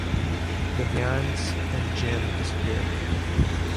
The Vians and Gem disappear.